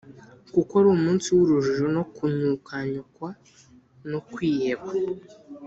Kuko ari umunsi w’urujijo no kunyukanyukwa no kwiheba